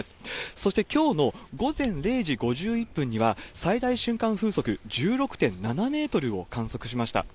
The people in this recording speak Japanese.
そしてきょうの午前０時５１分には、最大瞬間風速１６．７メートルを観測しました。